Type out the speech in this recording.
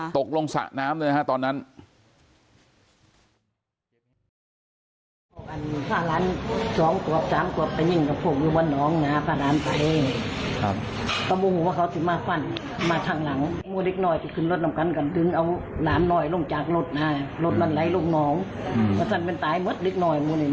ตกลงสระน้ำเลยฮะตอนนั้น